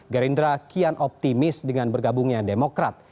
gerindra kian optimis dengan bergabungnya demokrat